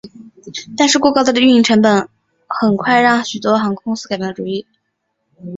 但是过高的运营成本很快让许多航空公司改变了主意。